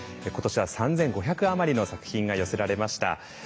今年は３，５００余りの作品が寄せられました。